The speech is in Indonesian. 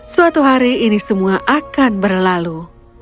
suatu hari ini semua akan berlalu